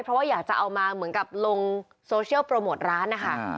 เพราะว่าอยากจะเอามาเหมือนกับลงโซเชียลโปรโมทร้านนะคะ